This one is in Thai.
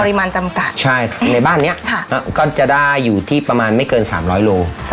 มาจำกัดใช่ในบ้านนี้ก็จะได้อยู่ที่ประมาณไม่เกิน๓๐๐โล